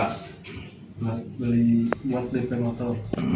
buat beli buat beli motor